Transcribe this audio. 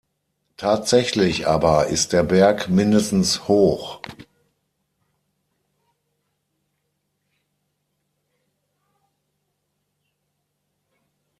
Tatsächlich aber ist der Berg mindestens hoch.